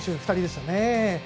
２人でしたね。